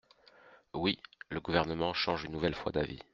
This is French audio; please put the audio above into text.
Oui ! Le Gouvernement change une nouvelle fois d’avis.